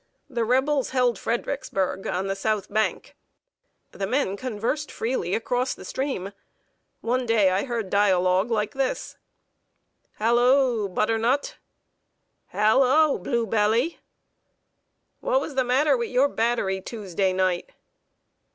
The Rebels held Fredericksburg, on the south bank. The men conversed freely across the stream. One day I heard a dialogue like this: "Halloo, butternut!" "Halloo, bluebelly!" "What was the matter with your battery, Tuesday night?"